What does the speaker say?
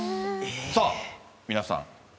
さあ皆さん。